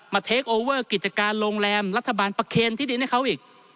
เทคโอเวอร์กิจการโรงแรมรัฐบาลประเคนที่ดินให้เขาอีก